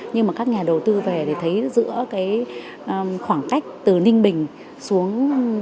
nhưng mà các nhà đầu tư về thì thấy giữa khoảng cách từ ninh bình xuống vùng định bình